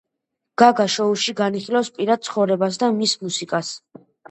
გაგა შოუში განიხილავს პირად ცხოვრებას და მის მუსიკას.